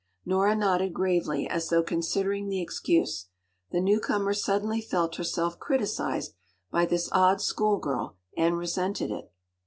” Nora nodded gravely, as though considering the excuse. The newcomer suddenly felt herself criticised by this odd schoolgirl and resented it.